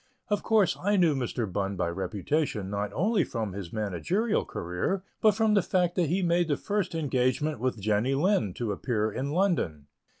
Of course, I knew Mr. Bunn by reputation, not only from his managerial career, but from the fact that he made the first engagement with Jenny Lind to appear in London.